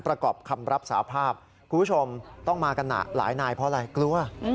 ประกอบคำรับสาภาพคุณผู้ชมต้องมากันหลายนายเพราะอะไรกลัว